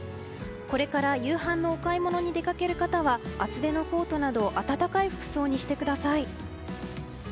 これから夕飯のお買い物に出かける方は厚手のコートなど暖かい服装にしてください。